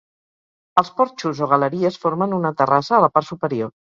Els porxos o galeries formen una terrassa a la part superior.